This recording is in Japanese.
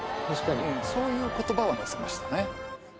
確かにそういう言葉は載せましたね